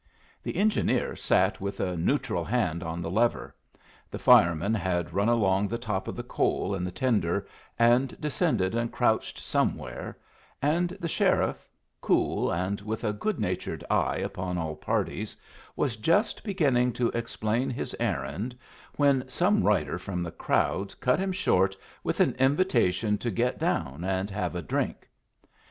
The engineer sat with a neutral hand on the lever, the fireman had run along the top of the coal in the tender and descended and crouched somewhere, and the sheriff, cool, and with a good natured eye upon all parties, was just beginning to explain his errand, when some rider from the crowd cut him short with an invitation to get down and have a drink.